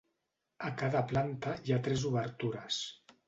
A cada planta hi ha tres obertures.